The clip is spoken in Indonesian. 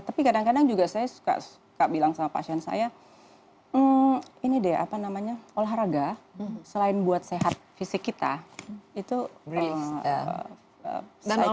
tapi kadang kadang juga saya suka bilang sama pasien saya ini deh apa namanya olahraga selain buat sehat fisik kita itu paling baik